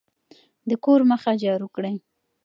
د کور مخه جارو کړئ.